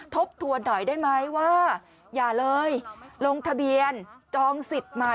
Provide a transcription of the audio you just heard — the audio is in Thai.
ทบทวนหน่อยได้ไหมว่าอย่าเลยลงทะเบียนจองสิทธิ์ใหม่